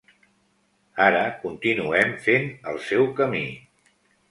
Ara continuem fent el seu camí.